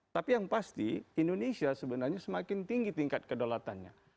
tapi yang pasti indonesia sebenarnya semakin tinggi tingkat kedolatannya